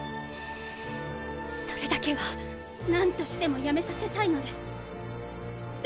それだけはなんとしてもやめさせたいのです。